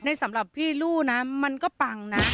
สำหรับพี่รูนะมันก็ปังนะ